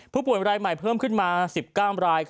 ผู้ป่วยรายใหม่เพิ่มขึ้นมา๑๙ราย